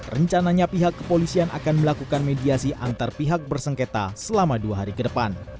rencananya pihak kepolisian akan melakukan mediasi antar pihak bersengketa selama dua hari ke depan